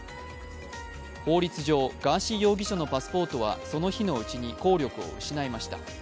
法律上、ガーシー容疑者のパスポートはその日のうちに効力を失いました。